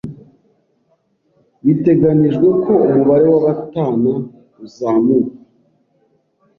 Biteganijwe ko umubare w'abatana uzamuka.